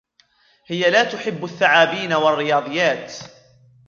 هي لا تحب الثعابين و الرياضيات.